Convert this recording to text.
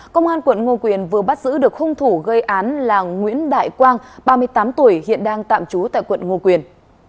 công an quận ngô quyền vừa bắt giữ được hung thủ gây án là nguyễn đại quang ba mươi tám tuổi hiện đang tạm trú tại quận ngô quyền